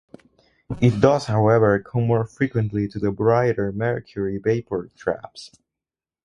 It does however come more frequently to the brighter mercury vapour traps.